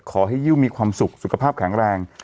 ขอให้ยู่มีความสุขสุขภาพแข็งแรง